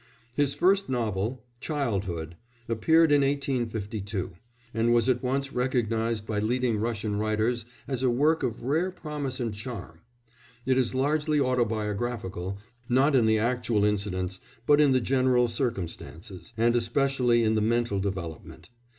His first novel, Childhood, appeared in 1852, and was at once recognised by leading Russian writers as a work of rare promise and charm. It is largely autobiographical, not in the actual incidents, but in the general circumstances, and especially in the mental development.